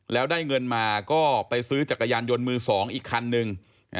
แล้วได้เงินมาก็ไปซื้อจักรยานยนต์มือ๒อีกคันนึง